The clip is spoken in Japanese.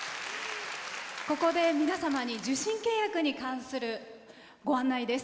ここで皆様に受信契約に関するご案内です。